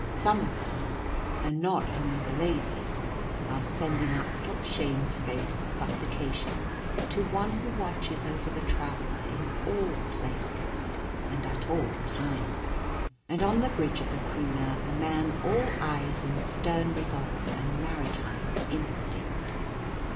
Some of them and not only the ladies are sending up little shamefaced supplications to One who watches over the traveller in all places and at all times. And on the bridge of the Croonah a man all eyes and stern resolve and maritime instinct.